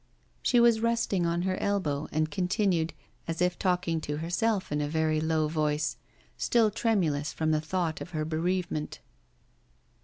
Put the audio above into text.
She was resting on her elbow, and continued, as if talking to herself in a very low voice, still tremulous from the thought of her bereavement.